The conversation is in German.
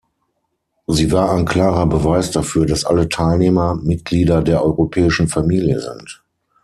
Sie war ein klarer Beweis dafür, dass alle Teilnehmer Mitglieder der europäischen Familie sind.